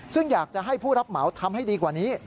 ซึ่งอยากจะให้ผู้รับเหมาทำให้ดีกว่านี้